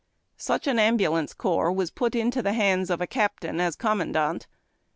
Such an ambulance corps was put into the hands of a captain as commandant.